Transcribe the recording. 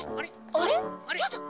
あれ？